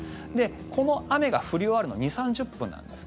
この雨が降り終わるのは２０３０分なんです。